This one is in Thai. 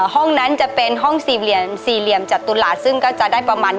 ห้องนั้นจะเป็นห้องสี่เหลี่ยมจัดตุลาทซึ่งก็จะได้ประมาณ๒๐คน